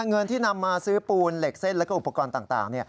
เงินที่นำมาซื้อปูนเหล็กเส้นแล้วก็อุปกรณ์ต่าง